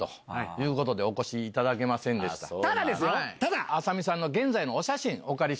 ただですよ！